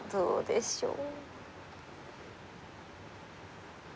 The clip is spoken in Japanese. どうでしょう